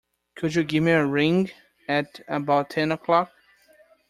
Could you give me a ring at about ten o'clock?